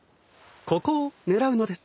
ここを狙うのです。